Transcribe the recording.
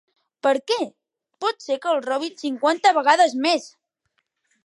Per què? Pot ser que el robin cinquanta vegades més!